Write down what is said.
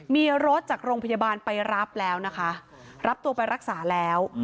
มีรถจากโรงพยาบาลไปรับแล้วนะคะรับตัวไปรักษาแล้ว